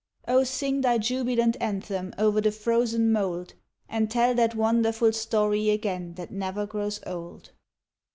Oh, sing thy jubilant anthem Over the frozen mould, And tell that wonderful story Again, that never grows old!